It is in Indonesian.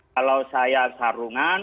kalau saya sarungan